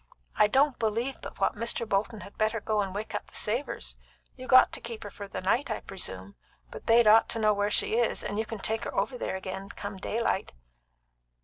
"I don't believe but what Mr. Bolton had better go and wake up the Savors. You got to keep her for the night, I presume, but they'd ought to know where she is, and you can take her over there agin, come daylight."